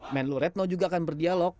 menlu retno juga akan berdialog